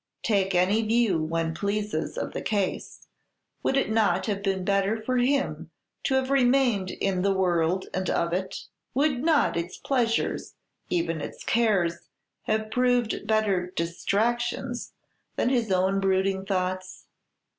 "Take any view one pleases of the case, would it not have been better for him to have remained in the world and of it? Would not its pleasures, even its cares, have proved better 'distractions' than his own brooding thoughts?